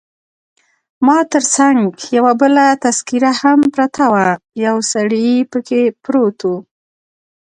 ما تر څنګ یو بله تذکیره هم پرته وه، یو سړی پکښې پروت وو.